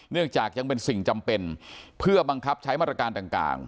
เนื่องจากยังเป็นสิ่งจำเป็นเพื่อบังคับใช้มาตรการต่าง